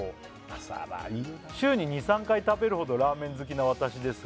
朝ラーいいよなあ「週に２３回食べるほどラーメン好きな私ですが」